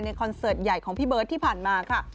คอนเสิร์ตใหญ่ของพี่เบิร์ตที่ผ่านมาค่ะ